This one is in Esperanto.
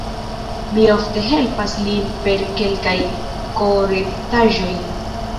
Mi ofte helpas lin per kelkaj korektaĵoj.